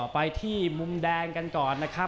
แล้วกลับมาติดตามกันต่อนะครับ